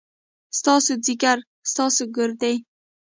ستاسو ځيګر ، ستاسو ګردې ،